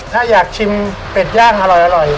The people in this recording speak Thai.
ถ้าอยากชิมเป็ดย่างอร่อย